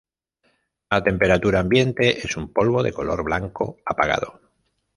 A temperatura ambiente es un polvo de color blanco apagado.